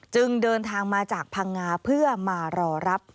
เดินทางมาจากพังงาเพื่อมารอรับ